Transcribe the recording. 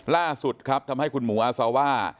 ล่าสุดครับทำให้คุณหมูอาซาว่า